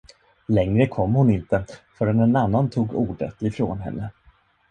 Längre kom hon inte, förrän en annan tog ordet ifrån henne.